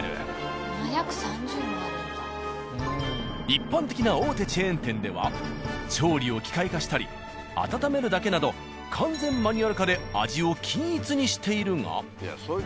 一般的な大手チェーン店では調理を機械化したり温めるだけなど完全マニュアル化で味を均一にしているが。